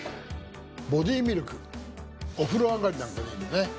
ボディミルクお風呂上がりなんかにいいのね。